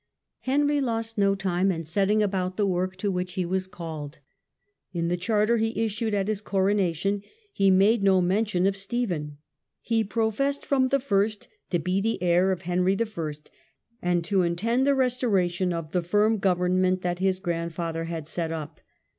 Henry lost no time in setting about the work to which he was called. In the charter he issued at his coronation he made no mention of Stephen. He pro sariy reforms, fessed from the first to be the heir of Henry L, 54 58. and to intend the restoration of the firm government that his grandfather had set up.